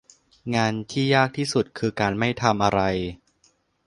งานที่ยากที่สุดคือการไม่ทำอะไร